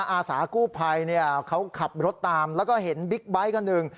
อาสากู้ภัยเขาขับรถตามแล้วก็เห็นบิ๊กไบท์คันหนึ่ง